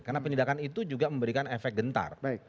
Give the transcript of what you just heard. karena penindakan itu juga memberikan efek gentar